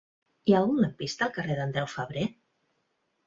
Hi ha algun lampista al carrer d'Andreu Febrer?